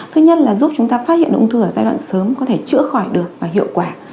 thứ nhất là giúp chúng ta phát hiện ung thư ở giai đoạn sớm có thể chữa khỏi được và hiệu quả